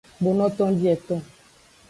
Kponoton bieton.